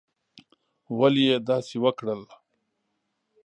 ولي یې داسي وکړل؟